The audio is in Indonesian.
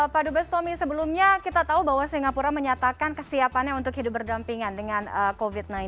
pak dubes tommy sebelumnya kita tahu bahwa singapura menyatakan kesiapannya untuk hidup berdampingan dengan covid sembilan belas